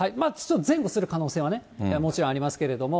前後する可能性はね、もちろんありますけど。